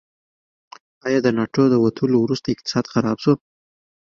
آیا د ناټو د وتلو وروسته اقتصاد خراب شو؟